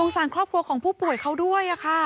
สารครอบครัวของผู้ป่วยเขาด้วยค่ะ